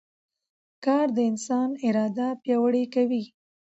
کار د انسان اراده پیاوړې کوي